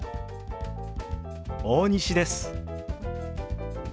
大西です。